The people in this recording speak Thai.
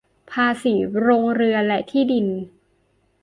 ภาษีโรงเรือนและที่ดิน